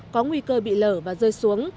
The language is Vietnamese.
có nguy cơ bị lở và rơi xuống